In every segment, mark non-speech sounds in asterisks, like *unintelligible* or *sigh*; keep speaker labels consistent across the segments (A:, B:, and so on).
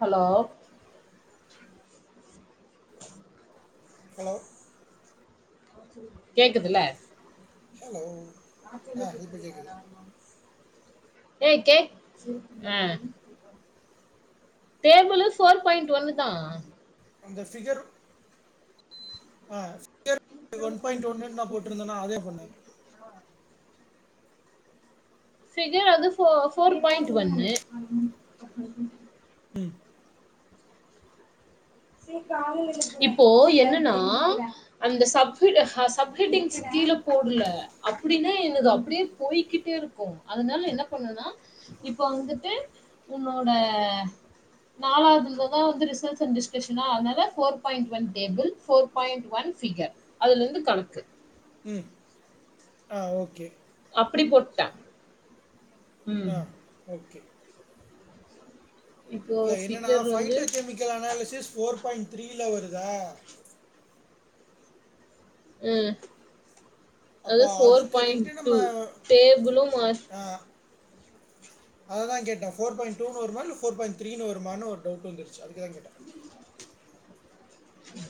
A: Hello
B: hello
A: கேக்குதில
B: hello
A: ஆ சொல்லு *unintelligible*
B: இப்போ
A: யார
B: கேட்குது
A: ஆமா ஏய் கேக் அ டேபிளு ஃபோர் பாயிண்ட் ஒன்னு தா
B: அந்த ஃபிகர் ஆ *unintelligible* ஒன் பாயிண்ட் ஒன் நா போட்டிருந்தேன அதே பண்னு
A: ஃபிகர் அது ஃபோ ஃபோர் பாயிண்ட் ஒன்னு
B: ம்
A: இப்போ என்னன்னா அந்த சப் கெட் சப் கெட்டீங்ஸ் கீழ போடல அப்டின்னா என்னுது அப்டியே போய்கிட்டே இருக் கு அதனால என்ன பண்ணனா இப்ப வந்துட்டு உன்னோட நாலாவது இததா வந்து ரிசர்ச் அண்ட் டிஸ் கஷனா அதனால four point one table four point one figure அதுல இருந்து கணக்கு
B: ம் ஆ ஓகே
A: அப்டி போட்டா
B: ஆ ஓகே
A: இப்போ
B: இல்ல என்னன்னா
A: ஃபிகர் வந்து
B: phytochemical analysis four point த்ரீல வருதா
A: ம் அது
B: அப்போ
A: ஃபோர்
B: அதுக்கு
A: பாயிண்ட்
B: ரெண்டு
A: டூ
B: நம்ம
A: டேபிளு மா
B: அததா கேட்டே ஃபோர் பாயிண்ட் டூ னு வருமா இல்ல ஃபோர் பாயிண்ட் த்ரீனு வருமான் ஒரு டவுட் வந்துருச்சு அதுக்கு தா கேட்டே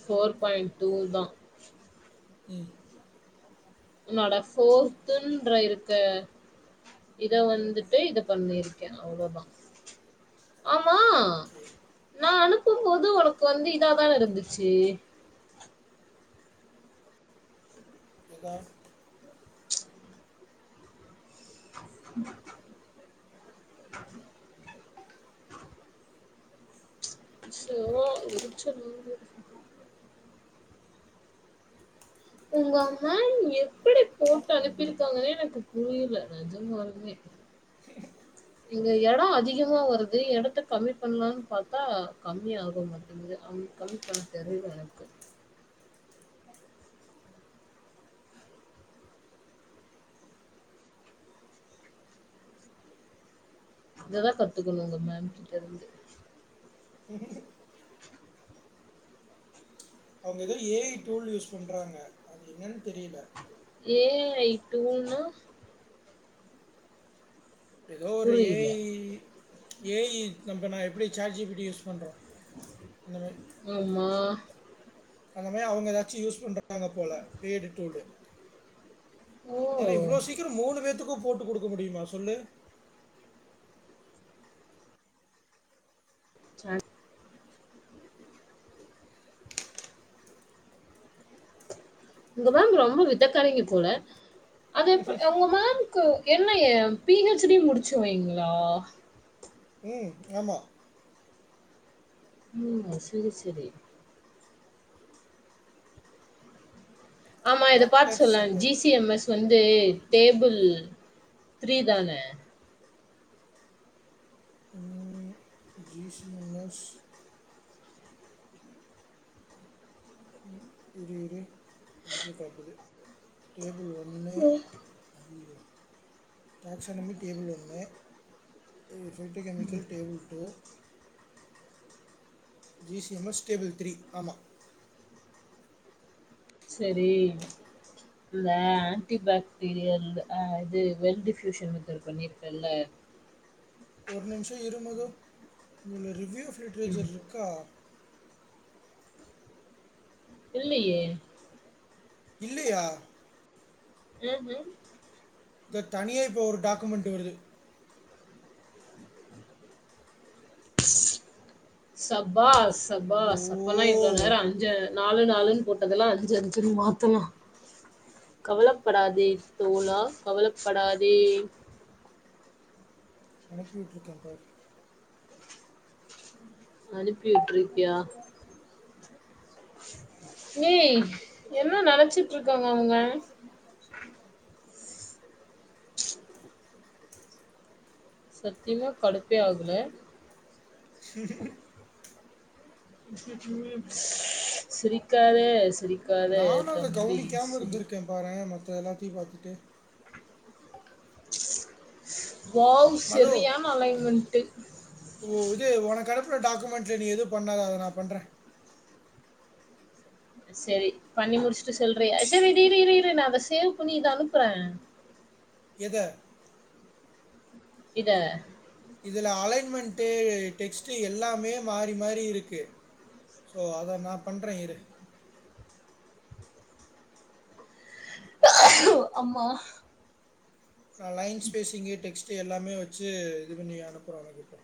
A: ஃபோர் பாயிண்ட் டூ தா
B: ம்
A: உன்னோட ஃபோர்த்துன்ற இருக்கு இத வந்துட்டு இத பண்ணிருக்கே அவ்ளோ தா ஆமா
B: ஓகே
A: நா அனுப்பும்போது ஒனக்கு வந்து இதா தான இருந்துச்சி
B: எதா
A: *inaudible* ச்சோ எருச்சல் ஆவுது உங்க மேம் எப்டி போட்டு அனுப்பியிருக்காங்கன்னே எனக்கு புரில நெஜமாலுமே இங்க எடோ அதிகமா வருது எடத்த கம்மி பண்லான் பாத்தா கம்மி ஆகவு மா வந்து அவ் கம்மிப்பண்ண தெரில எனக்கு இததா கத்துக்கனு உங்க மேம் கிட்டருந்து
B: அவுங்க எதோ ஏ ஐ டூல் யூஸ் பண்றாங்க அது என்னன் தெரில
A: ஏ ஐ டூல் னா
B: எதோ ஒரு ஏ
A: புரியல.
B: ஐ ஏ ஐ நம்ப நா எப்டி chat G P T use பண்றோ அந்த மாரி
A: ஆமா
B: அந்த மாரி அவுங்க எதாச்சு யூஸ் பண்றாங்க போல ஏ டு டூல்லு
A: ஓ!
B: ஏனா இவ்ளோ சீக்ரோ மூனு பேத்துக்கு போட்டு குடுக்க முடிமா சொல்லு
A: சான் உங்க மேம் ரொம்ப வித்தக்காரங்கி போல அத எப் ஒங்க மேம் க என்ன ஏ பி ஹெச் டி முடிச்சவைங்ளா
B: ம் ஆமா
A: ம் சேரி சேரி ஆமா இத பாத்து
B: டாக்டர்
A: சொல்லே G
B: Sangavi
A: C M S வந்து டேபிள் த்ரீ தான
B: ம் ஜி சி எம் எஸ் ம் இரு இரு *unintelligible* காட்டுது டேபிள் ஒன்னு அய்யியோ கனெக்ஷன் ஒன்னு டேபிள் ஒன்னு phytochemical table two G C M S table three ஆமா
A: சேரி இந்த ஆன்டிபாக்டீரியல் ஆ இது வெல் டிஃப்யூஷன் மெத்தட் பண்ணிருக்கல்ல
B: ஒரு நிம்ஷோ இரு மது இதுல ரிவ்யூ
A: ம்.
B: ஃபில்ட்ரேச்சர்ருக்கா
A: இல்லயே
B: இல்லயா
A: ம் ஹும்
B: ப்ப தனியா இப்போ ஒரு டாக்குமெண்ட்டு வருது
A: சப்பாஷ் சப்பாஷ்
B: ஐயோ
A: சப்பனா இவ்ள நேரோ அஞ்சு நாலு நாலுன் போட்டதெல்லா அஞ்சு அஞ்சுன் மாத்தலா கவலப்படாதே தோழா கவலப்படாதே
B: அனுப்பிவிட்ருக்கே பாரு
A: அனுப்பி விட்ருக்கியா ஏய் என்ன நெனச்சிட்ருக்காங்க அவுங்க சத்தியமா கடுப்பே ஆகல சிரிக்காத சிரிக்
B: நானு அத கவனிக்காம இருந்திருக்கே பாரே மத்ததெல்லாத்தையு பாத்துட்டு
A: வாவ்
B: மது
A: செரியான அலைன்மெண்ட்டு
B: ஓ இது உனக்கு அனுப்புன டாக்குமெண்ட்ல நீ எது பண்ணாத அத நா பண்ற
A: செரி பண்ணி முடிச்சுட்டு சொல்றிய செரி இரு இரு இரு இரு நா அத சேவ் பண்ணி இத அனுப்புற
B: எத
A: இத
B: இதுல அலைன்மெண்ட்டு டெக்ஸ்ட்டு எல்லாமே மாரி மாரி இருக்கு சோ அத நா பண்ற இரு
A: அம்மா
B: நா லைன் ஸ்பேஸிங்கு டெக்ஸ்ட்டு எல்லாமே வெச்சு இது பண்ணி அனுப்புற உனக்கு இப்போ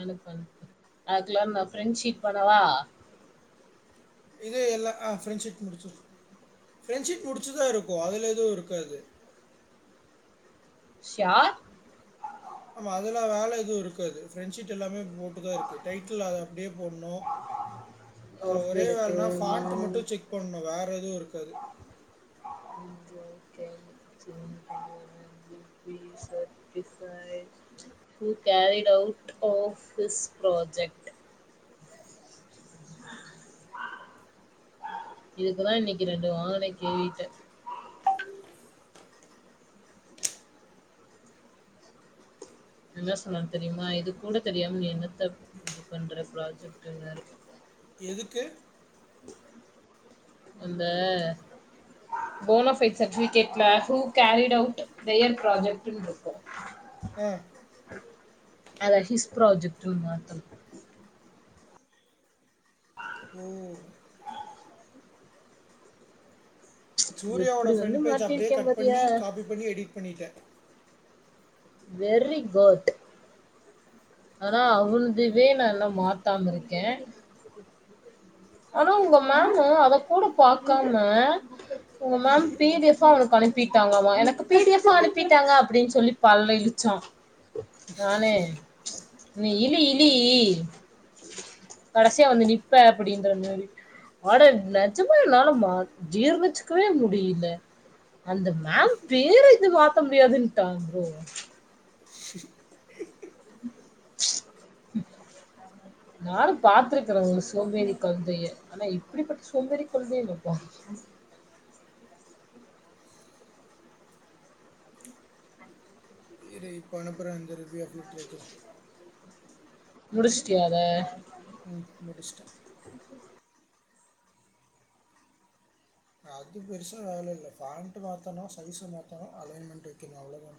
A: அனுப்பு அனுப்பு அதுக்குல நா ஃப்ரெண்ட் ஷீட் பண்ணவா
B: இதே எல்லா ஆ ஃப்ரெண்ட் ஷீட் முடிச்சிர்ரு ஃப்ரெண்ட்ஷீட் முடிச்சுதா இருக்கு அதுல எதுவு இருக்காது
A: ஷ்யூர்
B: ஆமா அதெல்லா வேல எதுவு இருக்காது ஃப்ரெண்ட் ஷீட் எல்லாமே போட்டுதா இருக்கு டைட்டில் அத அப்டியே போட்னு அதுல
A: ஆஃப் த
B: ஒரே வேலன்னா ஃபான்ட் மட்டு
A: ரெக்குயர்மெண்ட்
B: செக் பண்ணு வேற எதுவு இருக்காது
A: ஓகே ஓகே செரிங்க ப்ளீஸ் சார் பிஸ் I who carried out of is project இதுக்குதா இன்னைக்கு ரெண்டு வாங்குன கேவிட்டு என்ன சொன்னாரு தெரியுமா இது கூட தெரியாம நீ என்னத்த இது பண்ற ப்ராஜெக்ட்டுன்னாரு
B: எதுக்கு
A: அந்த அந்த போனஃபைட் சர்டிஃபிகேட்ல ஹூ கேரிட் அவுட் தெயர் ப்ராஜெக்ட்னு இருக்கு
B: ஆ
A: அத ஹிஸ் பிராஜெக்ட்டு மாத்தணு
B: ஓ சூர்யாவோட
A: எப்டி வந்து
B: ஃபிரண்ட் பேஜ அப்டே
A: மாத்திருக்கே
B: கட்
A: பாத்தியா
B: பண்ணி காபி பண்ணி எடிட் பண்ணிட்ட
A: வெரி குட் ஆனா அவுன்தேவே நா இன்னு மாத்தாம்ம இருக்கே ஆனா உங்க மேமு அத கூட பாக்காம உங்க மேம் பி டி எஃப் அவனுக்கு அனுப் பிட்டாங்கமா எனக்கு பி டி எஃப் அனுப்பிட்டாங்க அப்டின்னு சொல்லி பல்ல இளிச்சா நானே நீ இளி இளி கடசியா வந்து நிப்ப அப்டின் தனாரி அட நெஜமா என்னால மா ஜீர்ணச்சுக்கவே முடில அந்த மேம் பேர இது மாத்த முடியாதுன்ட்டாங் ப்ரோ நானு பாத்துருக்கே அந்த சோம்பேறி கழுதைய ஆனா இப்டிபட்ட சோம்பேறி கழுதைய நா பா
B: இரு இப்ப அனுப்பறே அங்க இருக்கு லிட்ரேச்சர்
A: முடுஸ்ட்டியா அத
B: ம் முடுஸ்ட்டே அது பெருசா வேல இல்ல ஃபேண்ட் மாத்தணு சைஸ்சு மாத்தணு அலைன்மெண்ட் வெக்கணு அவ்ளோ தா